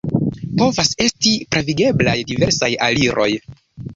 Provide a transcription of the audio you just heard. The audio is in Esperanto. Povas esti pravigeblaj diversaj aliroj.